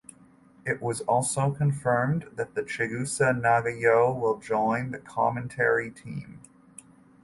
It was also confirmed that Chigusa Nagayo will join the commentary team.